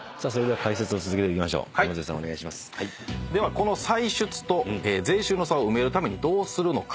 この歳出と税収の差を埋めるためにどうするのか？